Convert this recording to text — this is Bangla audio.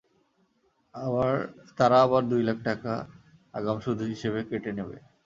তারা আবার দু লাখ টাকা আগাম সুদ হিসেবে কেটে নেবে।